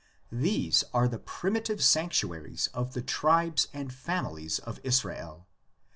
These are the primitive sanctuaries of the tribes and families of Israel.